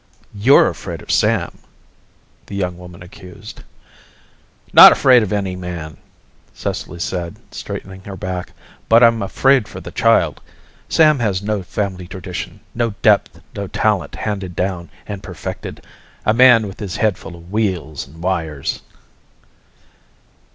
"You're afraid of Sam," the young woman accused. "Not afraid of any man!" Cecily said, straightening her back. "But I'm afraid for the child. Sam has no family tradition, no depth, no talent handed down and perfected. A man with his head full of wheels and wires."